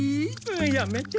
やめて。